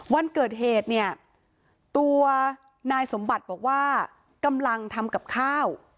วันเกิดเหตุเนี่ยตัวนายสมบัติบอกว่ากำลังทำกับข้าว